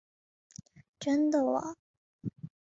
真的喔！